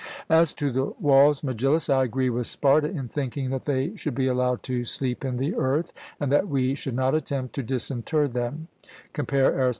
As to the walls, Megillus, I agree with Sparta in thinking that they should be allowed to sleep in the earth, and that we should not attempt to disinter them (compare Arist.